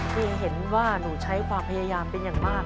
คือเห็นว่าหนูใช้ความพยายามเป็นอย่างมาก